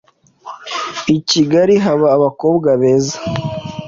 Ikigali haba abakobwa beza